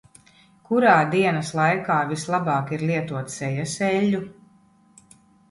Kurā dienas laikā vislabāk ir lietot sejas eļļu?